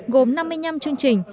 gồm năm mươi năm chương trình